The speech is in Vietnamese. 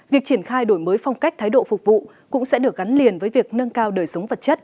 việc triển khai đổi mới phong cách thái độ phục vụ cũng sẽ được gắn liền với việc nâng cao đời sống vật chất